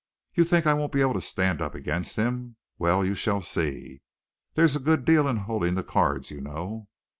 "You think I won't be able to stand up against him! Well, you shall see. There's a good deal in holding the cards, you know."